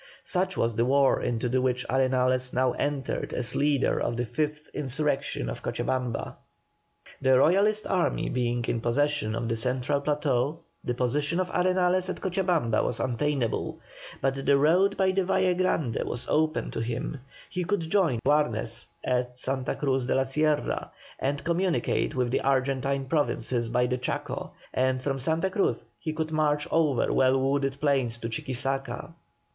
Such was the war into which Arenales now entered as leader of the fifth insurrection of Cochabamba. The Royalist army being in possession of the central plateau the position of Arenales at Cochabamba was untenable, but the road by the Valle Grande was open to him; he could join Warnes at Santa Cruz de la Sierra, and communicate with the Argentine Provinces by the Chaco, and from Santa Cruz he could march over well wooded plains to Chuquisaca.